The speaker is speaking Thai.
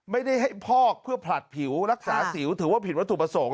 ไม่ได้ให้พอกเพื่อผลัดผิวรักษาสิวถือว่าผิดวัตถุประสงค์